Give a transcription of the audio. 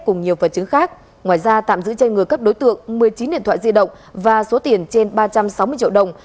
cùng nhiều vật chứng khác ngoài ra tạm giữ trên người các đối tượng một mươi chín điện thoại di động và số tiền trên ba trăm sáu mươi triệu đồng